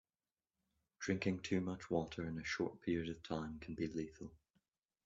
Drinking too much water in a short period of time can be lethal.